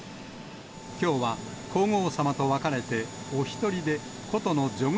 きょうは皇后さまと別れて、お一人で古都のジョグ